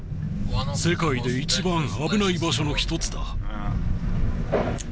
世界で一番危ない場所の一つだ。